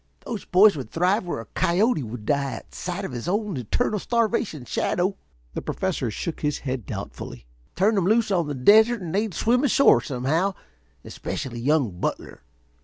Those boys would thrive where a coyote would die at sight of his own eternal starvation shadow." The Professor shook his head doubtfully. "Turn 'em loose on the desert and they'd swim ashore somehow. Especially young Butler.